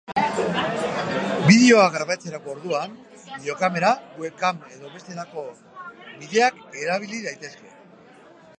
Bideoa grabatzerako orduan, bideokamera, web-cam edo bestelako bideak erabil daitezke.